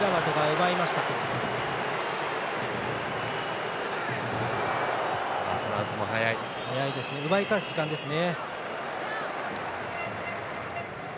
奪い返す時間ですね。